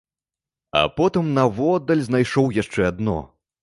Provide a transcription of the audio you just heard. А потым наводдаль знайшоў яшчэ адно.